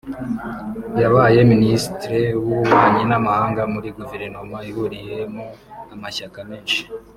yabaye minister w’ububanyi n’amahanga muri Guverinoma ihuriyemo amashyaka menshi